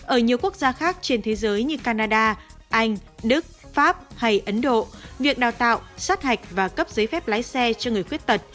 ở nhiều quốc gia khác trên thế giới như canada anh đức pháp hay ấn độ việc đào tạo sát hạch và cấp giấy phép lái xe cho người khuyết tật